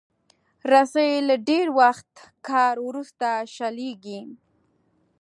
رسۍ له ډېر وخت کار وروسته شلېږي.